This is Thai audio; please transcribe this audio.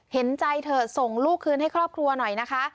เห็นใจเถอะส่งลูกคืนให้ครอบครัวหน่อยนะคะ